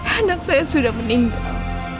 anak saya sudah meninggal